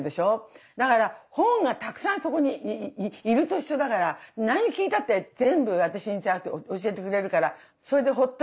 だから本がたくさんそこにいると一緒だから何聞いたって全部私にザーって教えてくれるから。